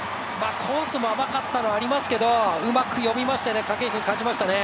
コースも甘かったのがありますけど、うまく読みましたね。